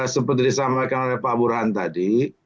seperti disampaikan oleh pak burhan tadi